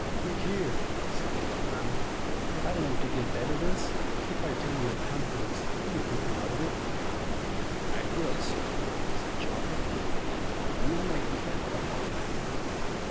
"Look here," said the young man, "I don't want to give evidence. If I tell you in confidence will you keep me out of it?" "I will, sir," said Chalk. "You may depend upon it."